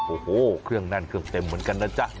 โอ้โหเครื่องแน่นเครื่องเต็มเหมือนกันนะจ๊ะ